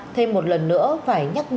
thêm một lần nữa phải nhắc nhớ